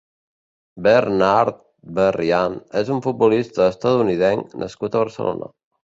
Bernard Berrian és un futbolista estatunidenc nascut a Barcelona.